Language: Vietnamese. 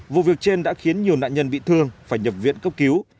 vụ việc trên đã khiến nhiều nạn nhân bị thương phải nhập viện cấp cứu